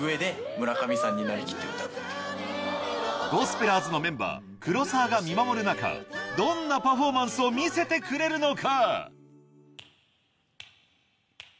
ゴスペラーズのメンバー黒沢が見守る中どんなパフォーマンスを見せてくれるのか